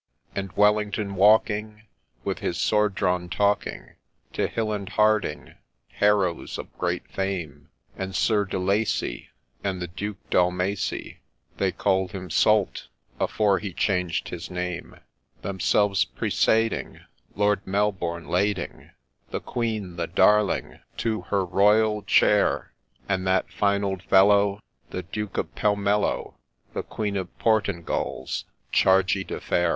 And Wellington, walking with his swoord drawn, talking To Hill and Hardinge, haroes of great fame : And Sir De Lacy, and the Duke Dalmasey, They call'd him Sowlt afore he changed his name,) Themselves presading Lord Melbourne, lading The Queen, the darling, to her royal chair, And that fine ould fellow, the Duke of Pell Mello, The Queen of Portingal's Chargy de fair.